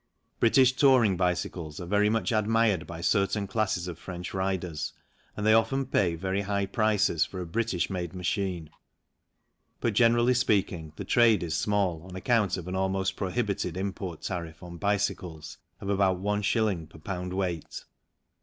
British touring bicycles are very much admired by certain classes of French riders and they often pay very high prices for a British made machine, but generally speak ing the trade is small on account of an almost prohibitive import tariff on bicycles of about Is. per pound weight.